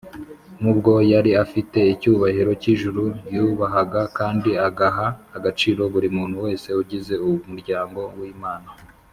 nubwo yari afite icyubahiro cy’ijuru, yubahaga kandi agaha agaciro buri muntu wese ugize umuryango w’imana